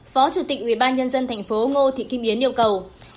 phó chủ tịch ubnd tp ngô thị kim yến yêu cầu